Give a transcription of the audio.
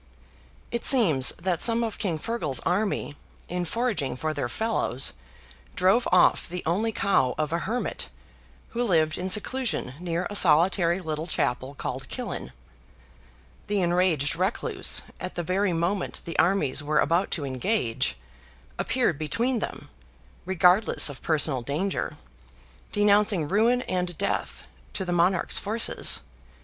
It seems that some of King FEARGAL's army, in foraging for their fellows, drove off the only cow of a hermit, who lived in seclusion near a solitary little chapel called Killin. The enraged recluse, at the very moment the armies were about to engage, appeared between them, regardless of personal danger, denouncing ruin and death to the monarch's forces.